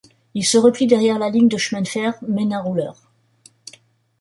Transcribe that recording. Il se replie derrière la ligne de chemin de fer Menin-Roulers.